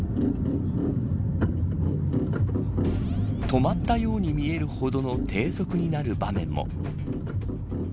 止まったように見えるほどの低速になる場面も。